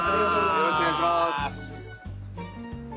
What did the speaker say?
よろしくお願いします。